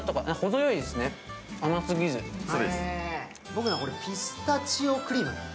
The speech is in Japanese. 僕のはピスタチオクリーム。